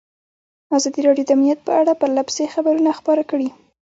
ازادي راډیو د امنیت په اړه پرله پسې خبرونه خپاره کړي.